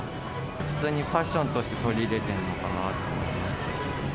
普通にファッションとして取り入れてるのかなと思います。